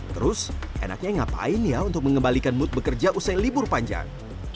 terus enaknya ngapain ya untuk mengembalikan mood bekerja usai libur panjang